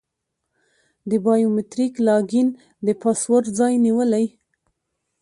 د بایو میتریک لاګین د پاسورډ ځای نیولی.